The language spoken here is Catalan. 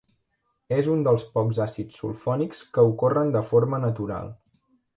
És un dels pocs àcids sulfònics que ocorren de forma natural.